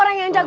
gak gak gak